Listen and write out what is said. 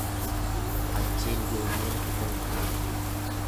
Achiin geenyeen tika hin taatu.